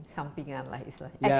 sampingan lah isla